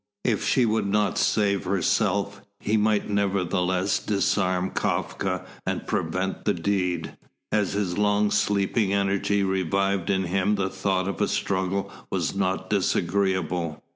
If she would not save herself, he might nevertheless disarm Kafka and prevent the deed. As his long sleeping energy revived in him the thought of a struggle was not disagreeable.